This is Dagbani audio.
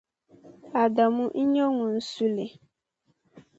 Adamu n-nyɛ ŋun su li.